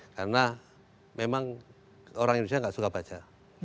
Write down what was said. karena memang orang indonesia gak suka baca